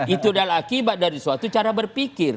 itu adalah akibat dari suatu cara berpikir